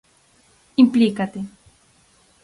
Implícate.